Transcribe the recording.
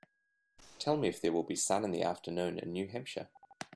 Tell me if there will be sun in the afternoon in New Hampshire